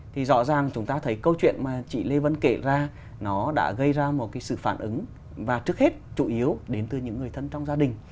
thì rõ ràng chúng ta thấy câu chuyện mà chị lê vân kể ra nó đã gây ra một cái sự phản ứng và trước hết chủ yếu đến từ những người thân trong gia đình